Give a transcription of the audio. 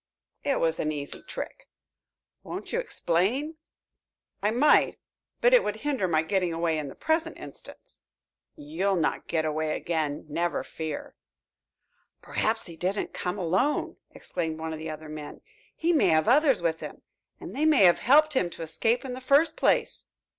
"It was an easy trick." "Won't you explain?" "I might, but it would hinder my getting away in the present instance." "You'll not get away again, never fear." "Perhaps he didn't come alone!" exclaimed one of the other men. "He may have others with him, and they may have helped him to escape in the first place."